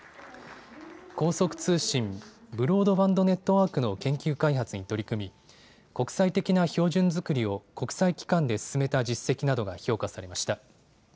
高速通信・ブロードバンドネットワークの研究開発に取り組み国際的な標準作りを国際機関で進めた実績などが評価されました。